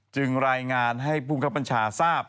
จึงรายงานให้ภูมิคับบัญชาทราบ